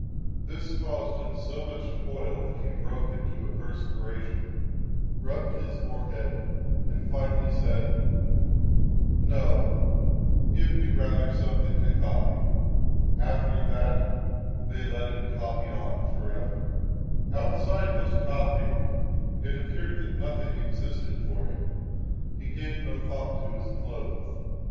This caused him so much toil, that he broke into a perspiration, rubbed his forehead, and finally said, "No, give me rather something to copy." After that they let him copy on forever. Outside this copying, it appeared that nothing existed for him. He gave no thought to his clothes.